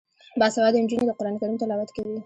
باسواده نجونې د قران کریم تلاوت کوي.